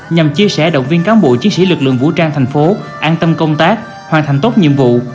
nhằm chia sẻ động viên cán bộ chiến sĩ lực lượng vũ trang thành phố an tâm công tác hoàn thành tốt nhiệm vụ